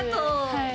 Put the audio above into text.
はい。